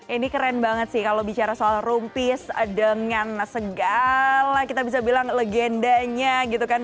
ini keren banget sih kalau bicara soal room peace dengan segala kita bisa bilang legendanya gitu kan